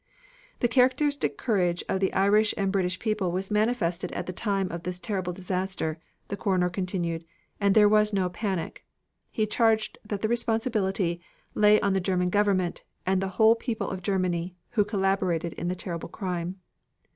The characteristic courage of the Irish and British people was manifested at the time of this terrible disaster, the coroner continued, and there was no panic. He charged that the responsibility "lay on the German Government and the whole people of Germany, who collaborated in the terrible crime."